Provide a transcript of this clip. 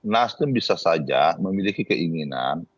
nasdem bisa saja memiliki keinginan